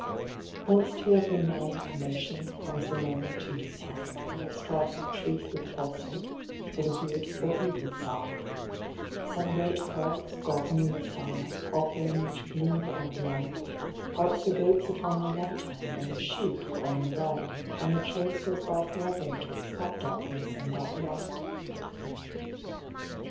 Once to every man and nation comes the moment to decide, In the strife of Truth with Falsehood, for the good or evil side; Some great cause, God's new Messiah, offering each the bloom or blight, Parts the goats upon the left hand, and the sheep upon the right, And the choice goes by forever 'twixt that darkness and that light.